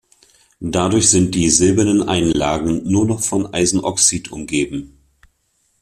Dadurch sind die silbernen Einlagen nur noch von Eisenoxid umgeben.